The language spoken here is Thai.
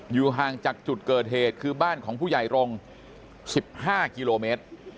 อยู่ห่างจากจุดเกิดเหตุคือบ้านของผู้ใหญ่รงค์๑๕กิโลเมตร